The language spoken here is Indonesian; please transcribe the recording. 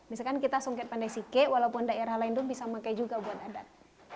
misalkan kita sungket pandai sike walaupun daerah lain itu bisa pakai juga buat adat